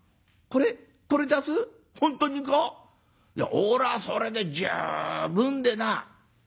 俺はそれで十分でな」。